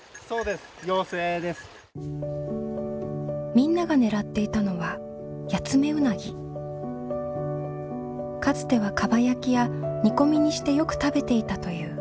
みんなが狙っていたのはかつてはかば焼きや煮込みにしてよく食べていたという。